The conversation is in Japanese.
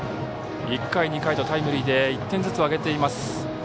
１回、２回とタイムリーで１点ずつを挙げています。